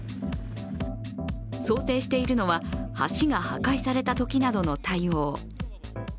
想定しているのは橋が破壊されたときなどの対応。